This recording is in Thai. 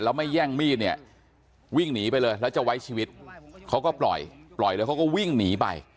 แล้วไม่แย่งมีดเนี่ยวิ่งหนีไปเลยแล้วจะไว้ชีวิตเขาก็ปล่อยปล่อยแล้วเขาก็วิ่งหนีไป